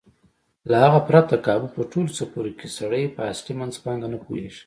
له هغه پرته کابو په ټولو څپرکو کې سړی په اصلي منځپانګه نه پوهېږي.